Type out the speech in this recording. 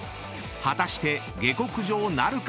［果たして下克上なるか？］